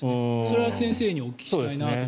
それは先生にお伺いしたいなと。